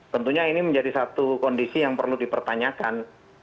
tentunya ini menjadi satu kondisi yang perlu dipertanyakan